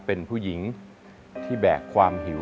เป็นผู้หญิงที่แบกความหิว